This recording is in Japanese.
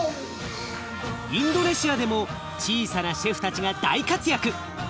インドネシアでも小さなシェフたちが大活躍！